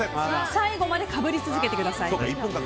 最後までかぶり続けてください。